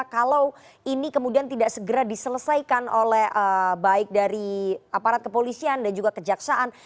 kalau ini kemudian tidak segera diselesaikan oleh baik dari aparat kepolisian dan juga kejaksaan